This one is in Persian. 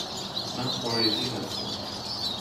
من خارجی هستم.